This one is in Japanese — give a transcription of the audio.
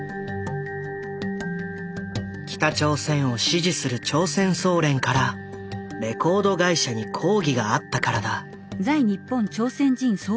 北朝鮮を支持する朝鮮総連からレコード会社に抗議があったからだ。